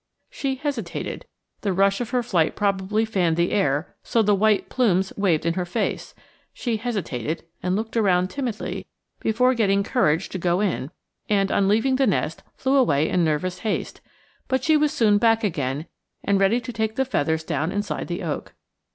She hesitated the rush of her flight probably fanned the air so the white plumes waved in her face she hesitated and looked around timidly before getting courage to go in; and on leaving the nest flew away in nervous haste; but she was soon back again, and ready to take the feathers down inside the oak.